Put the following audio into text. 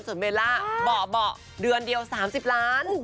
ส่วนเบลล่าเบาะเดือนเดียว๓๐ล้าน